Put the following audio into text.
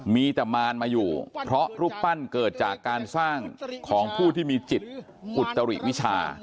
มีแต่มารมาอยู่เพราะรูปปั้นเกิดจากการสร้างของผู้ที่มีจิตอุตริวิชา